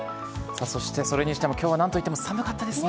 そしてそれにしても、きょうはなんといっても寒かったですね。